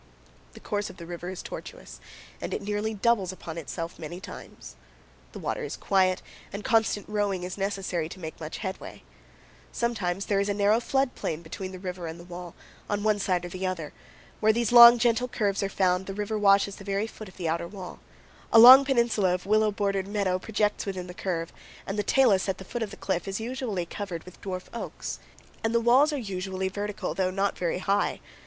The course of the river is tortuous, and it nearly doubles upon itself many times. The water is quiet, and constant rowing is necessary to make much headway. Sometimes there is a narrow flood plain between the river and the wall, on one side or the other. Where these long, gentle curves are found, the river washes the very foot of the outer wall. A long peninsula of willow bordered meadow projects within the curve, and the talus at the foot of the cliff is usually covered with dwarf oaks. The orange colored sandstone is homogeneous in structure, and the walls are usually vertical, though not very high.